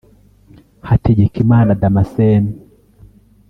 Hategekimana Damascene